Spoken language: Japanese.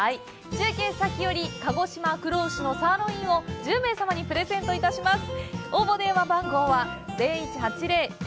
中継先より、「鹿児島黒牛のサーロイン」を１０名様にプレゼントします。